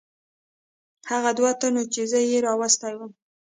هغو دوو تنو چې زه یې راوستی ووم.